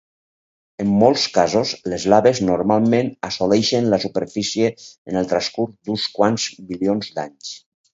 En molts casos, les laves normalment assoleixen la superfície en el transcurs d'uns quants milions d'anys.